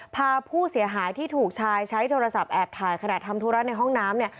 พาผู้เสียหายที่ถูกชายใช้โทรศัพท์แอบถ่ายขณะทำธุระในห้องน้ำเนี่ย